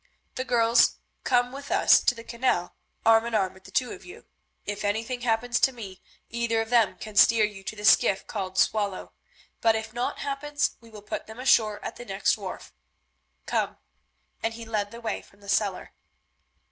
The girls come with us to the canal, arm in arm with the two of you. If anything happens to me either of them can steer you to the skiff called Swallow, but if naught happens we will put them ashore at the next wharf. Come," and he led the way from the cellar.